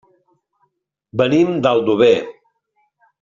Venim d'Aldover.